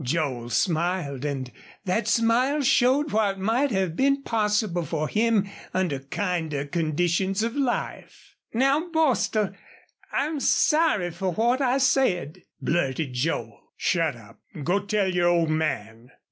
Joel smiled, and that smile showed what might have been possible for him under kinder conditions of life. "Now, Bostil, I'm sorry fer what I said," blurted Joel. "Shut up. Go tell your old man."